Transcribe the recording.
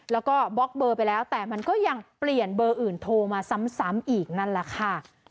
แล้วก็บล็อกเบอร์ไปแล้วแต่มันก็ยังเปลี่ยนเบอร์อื่นโทรมาซ้ำอีกนั่นแหละค่ะ